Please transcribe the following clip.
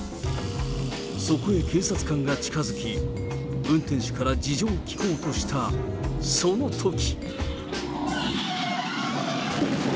そこへ警察官が近づき、運転手から事情を聴こうとした、そのとき。